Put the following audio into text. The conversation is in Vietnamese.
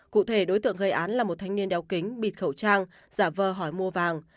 cụ thể đối tượng gây án là một thanh niên đeo kính bịt khẩu trang giả vờ hỏi mua vàng